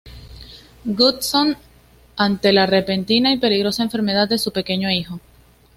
Hodgson ante la repentina y peligrosa enfermedad de su pequeño hijo.